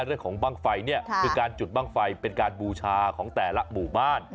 เรื่องของบ้างไฟเนี่ยคือการจุดบ้างไฟเป็นการบูชาของแต่ละหมู่บ้าน